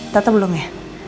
tata belum ya